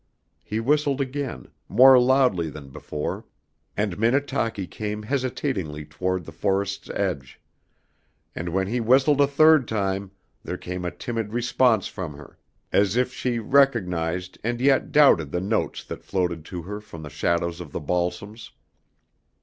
He whistled again, more loudly than before, and Minnetaki came hesitatingly toward the forest's edge, and when he whistled a third time there came a timid response from her, as if she recognized and yet doubted the notes that floated to her from the shadows of the balsams.